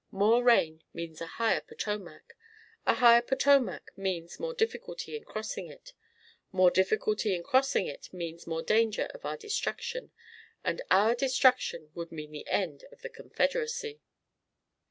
More rain means a higher Potomac. A higher Potomac means more difficulty in crossing it. More difficulty in crossing it means more danger of our destruction, and our destruction would mean the end of the Confederacy."